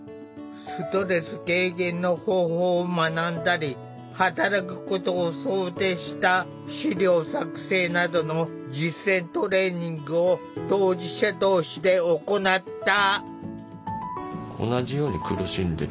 ストレス軽減の方法を学んだり働くことを想定した資料作成などの実践トレーニングを当事者同士で行った。